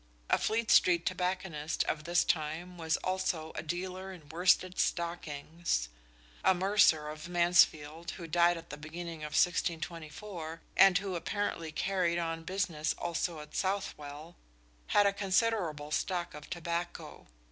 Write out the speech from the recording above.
A Fleet Street tobacconist of this time was also a dealer in worsted stockings. A mercer of Mansfield who died at the beginning of 1624, and who apparently carried on business also at Southwell, had a considerable stock of tobacco.